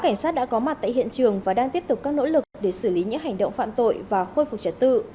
cảnh sát đã có mặt tại hiện trường và đang tiếp tục các nỗ lực để xử lý những hành động phạm tội và khôi phục trật tự